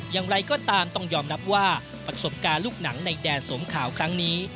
อย่างไรก็ตามต้องยอมรับว่าประสบการณ์ลูกหนังในแดนสมขาวครั้งนี้